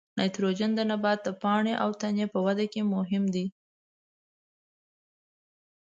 نایتروجن د نبات د پاڼې او تنې په وده کې مهم دی.